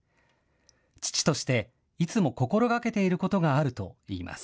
父としていつも心がけていることがあるといいます。